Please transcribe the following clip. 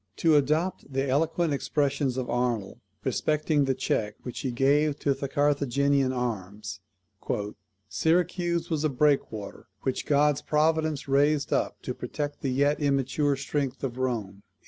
To adopt the eloquent expressions of Arnold respecting the check which she gave to the Carthaginian arms, "Syracuse was a breakwater, which God's providence raised up to protect the yet immature strength of Rome."